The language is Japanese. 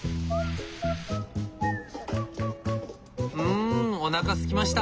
んおなかすきました。